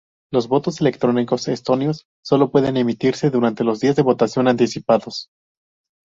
Los votos electrónicos estonios sólo pueden emitirse durante los días de votación anticipados.